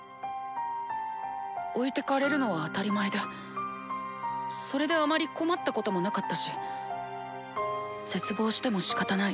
置いてかれるのは当たり前でそれであまり困ったこともなかったし絶望してもしかたない。